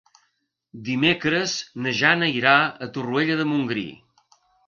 Dimecres na Jana irà a Torroella de Montgrí.